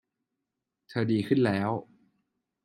เธอดีขึ้นแล้ว